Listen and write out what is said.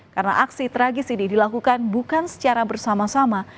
karena aksi tragis ini dilakukan bukan secara bersama sama